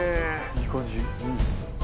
いい感じ。